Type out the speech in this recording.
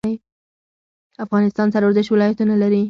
افغانستان څلوردیش ولایتونه لري.